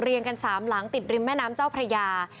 กัน๓หลังติดริมแม่น้ำเจ้าพระยา